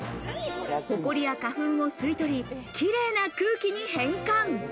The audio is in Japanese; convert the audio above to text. ホコリや花粉を吸い取り綺麗な空気に変換。